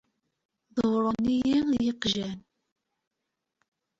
Dewwren-iyi-d yiqjan.